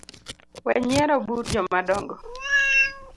Wenyiero but jomadongo